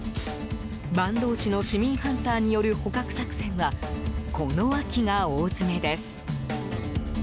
坂東市の市民ハンターによる捕獲作戦はこの秋が大詰めです。